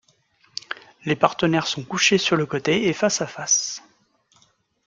Les partenaires sont couchés sur le côté et face à face.